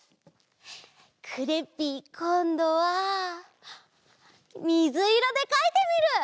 クレッピーこんどはみずいろでかいてみる！